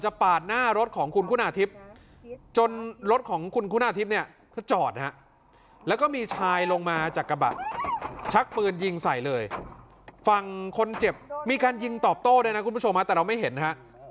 ชักปืนยิงใส่เลยฟังคนเจ็บมีการยิงตอบโต้ได้นะคุณผู้ชมแต่เราไม่เห็นครับ